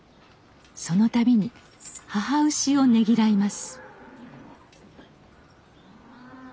そのたびに母牛をねぎらいます。